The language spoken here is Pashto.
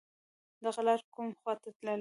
دغه لار کوم خواته تللی